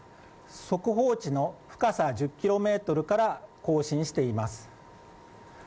速報値の深さ１０ｋｍから更新しています。